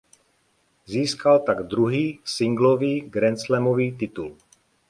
Získal tak druhý singlový grandslamový titul.